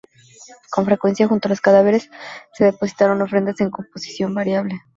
Con frecuencia, junto a los cadáveres se depositaron ofrendas de composición variable.